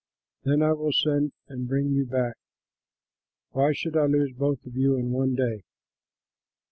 Then I will send and bring you back. Why should I lose both of you in one day?"